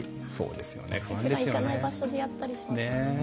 ふだん行かない場所でやったりしますもんね。